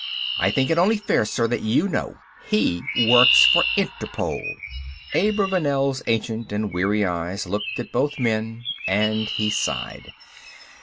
I think it only fair, sir, that you know. He works for Interpol." Abravanel's ancient and weary eyes looked at both men, and he sighed.